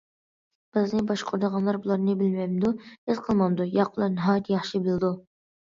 بىزنى باشقۇرىدىغانلار بۇلارنى بىلمەمدۇ؟ ھېس قىلمامدۇ؟ ياق، ئۇلار ناھايىتى ياخشى بىلىدۇ.